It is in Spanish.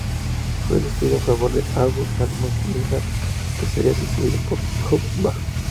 Fue destituido en favor de Abu al-Muhajir Dinar, que sería sucedido por Uqba.